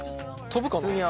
飛ぶかな？